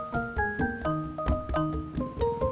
dari tadi maksa mulu